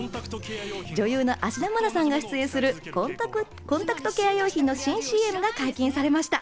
女優の芦田愛菜さんが出演するコンタクトケア用品の新ＣＭが解禁されました。